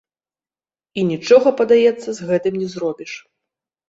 І нічога, падаецца, з гэтым не зробіш.